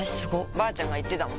ばあちゃんが言ってたもん